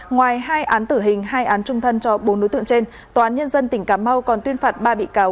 ngoài hai án tử hình hai án trung thân cho bốn đối tượng trên tòa án nhân dân tỉnh cà mau còn tuyên phạt ba bị cáo